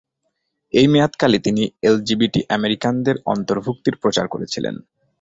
এই মেয়াদকালে, তিনি এলজিবিটি আমেরিকানদের অন্তর্ভুক্তির প্রচার করেছিলেন।